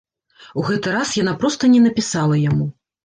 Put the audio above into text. У гэты раз яна проста не напісала яму.